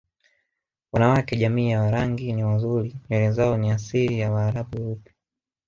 Wanawake jamii ya Warangi ni wazuri nywele zao ni asili ya waraabu weupe